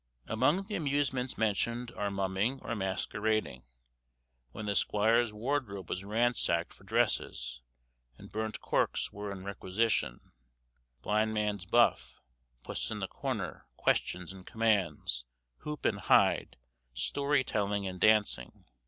Among the amusements mentioned are mumming or masquerading, when the squire's wardrobe was ransacked for dresses, and burnt corks were in requisition; blind man's buff, puss in the corner, questions and commands, hoop and hide, story telling, and dancing.